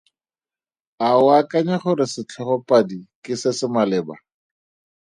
A o akanya gore setlhogo padi ke se se maleba?